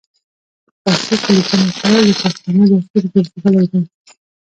په پښتو کې لیکنه کول د پښتنو دستور ګرځیدلی دی.